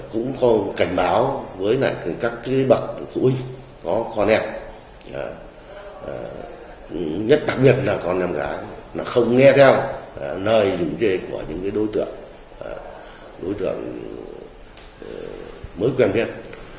cũng có cảnh báo với các bậc của mình có con em nhất đặc biệt là con em gái là không nghe theo lời dùng chế của những đối tượng mới quen biết